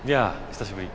久しぶり。